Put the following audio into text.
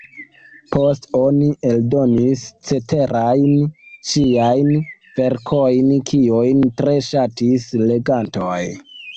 Poste oni eldonis ceterajn ŝiajn verkojn, kiujn tre ŝatis legantoj.